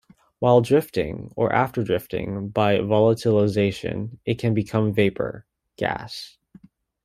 While drifting or after drifting by volatilisation it can become vapor, gas.